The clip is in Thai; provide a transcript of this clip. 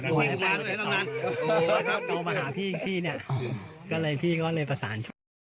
เขามาหาพี่พี่เนี่ยก็เลยพี่ก็เลยประสาน